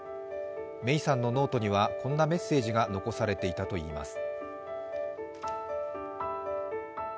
芽生さんのノートにはこんなメッセージが残されていたといいます。